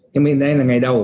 nhưng mà đây là ngày đầu